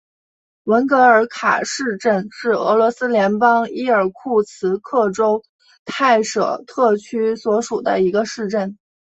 文格尔卡市镇是俄罗斯联邦伊尔库茨克州泰舍特区所属的一个市镇。